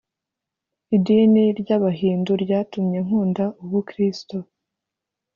idini ry’abahindu ryatumye nkunda ubukristo